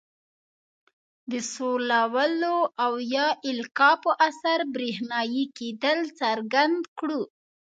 د سولولو او یا القاء په اثر برېښنايي کیدل څرګند کړو.